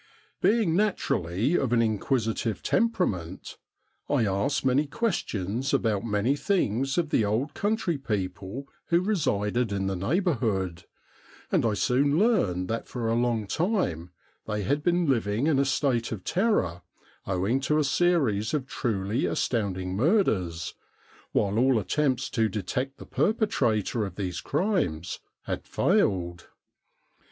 Being naturally of an inquisitive temperament, I asked many questions about many things of the old country people who resided in the neighbourhood, and I soon learned that for a long time they had been living in a state of terror owing to a series of truly astounding murders, while all attempts to detect the perpetrator of these crimes had failed.